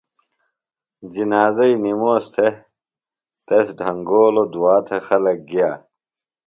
جنازئیۡ نِموس تھےۡ تس ڈھنگولوۡ دعا تھےۡ خلک گِیہ ۔